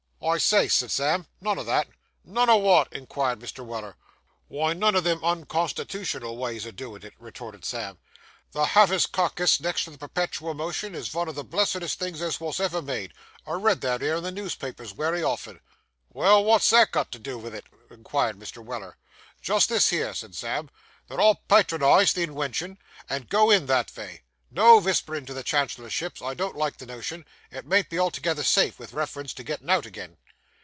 'I say,' said Sam, 'none o' that.' 'None o' wot?' inquired Mr. Weller. 'Wy, none o' them unconstitootional ways o' doin' it,' retorted Sam. 'The have his carcass, next to the perpetual motion, is vun of the blessedest things as wos ever made. I've read that 'ere in the newspapers wery of'en.' 'Well, wot's that got to do vith it?' inquired Mr. Weller. 'Just this here,' said Sam, 'that I'll patronise the inwention, and go in, that vay. No visperin's to the Chancellorship I don't like the notion. It mayn't be altogether safe, vith reference to gettin' out agin.